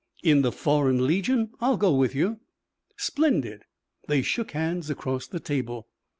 "In the Foreign Legion? I'll go with you." "Splendid!" They shook hands across the table.